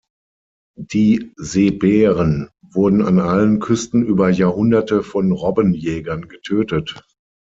Die Seebären wurden an allen Küsten über Jahrhunderte von Robbenjägern getötet.